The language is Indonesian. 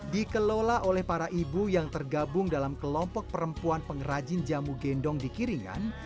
dikelola oleh para ibu yang tergabung dalam kelompok perempuan pengrajin jamu gendong di kiringan